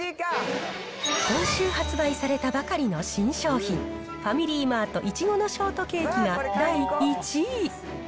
今週発売されたばかりの新商品、ファミリーマート、いちごのショートケーキが第１位。